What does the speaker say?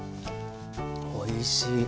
おいしい。